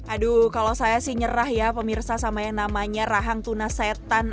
aduh kalau saya sih nyerah ya pemirsa sama yang namanya rahang tuna setan